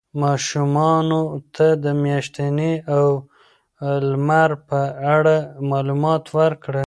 ماشومانو ته د میاشتې او لمر په اړه معلومات ورکړئ.